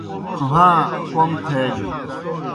ڇُھواں کوْم تھیگہ۔